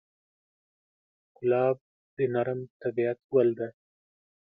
ګلاب د نرم طبعیت ګل دی.